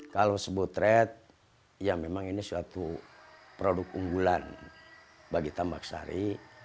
kalau sebutret ya memang ini suatu produk unggulan bagi tambak sari